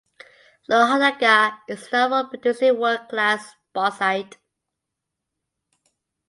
Lohardaga is known for producing world class bauxite.